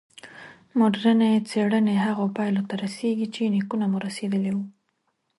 مډرني څېړنې هغو پایلو ته رسېږي چې نیکونه مو رسېدلي وو.